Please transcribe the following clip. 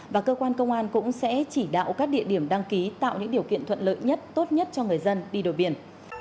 và cơ quan công an cũng sẽ chỉ đạo các địa điểm đăng ký tạo những điều kiện thuận lợi nhất tốt nhất cho người dân đi đổi biển